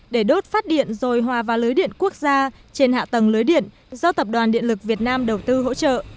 để đốt phát điện rồi hòa vào lưới điện quốc gia trên hạ tầng lưới điện do tập đoàn điện lực việt nam đầu tư hỗ trợ